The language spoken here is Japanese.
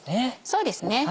そうですね。